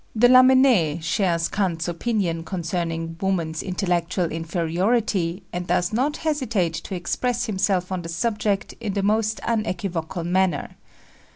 De Lamennais shares Kant's opinion concerning woman's intellectual inferiority and does not hesitate to express himself on the subject in the most unequivocal manner.